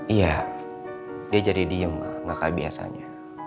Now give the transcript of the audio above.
iya dia jadi diem ma gak kayak biasanya